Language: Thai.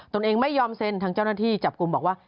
ตัวเองไม่ยอมเซ็นทางเจ้าหน้าที่จับกลุ่มบอกว่า